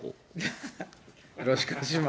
よろしくお願いします。